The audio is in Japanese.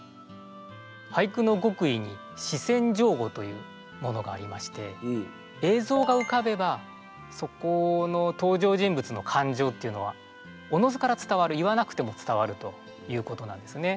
俳句の極意に姿先情後というものがありまして映像がうかべばそこの登場人物の感情っていうのはおのずから伝わる言わなくても伝わるということなんですね。